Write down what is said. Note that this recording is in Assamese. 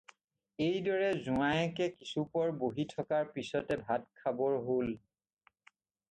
এইদৰে জোঁৱায়েকে কিছুপৰ বহি থকাৰ পিছতে ভাত খাবৰ হ'ল।